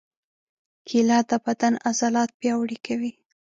کېله د بدن عضلات پیاوړي کوي.